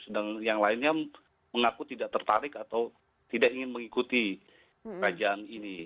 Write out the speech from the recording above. sedang yang lainnya mengaku tidak tertarik atau tidak ingin mengikuti kerajaan ini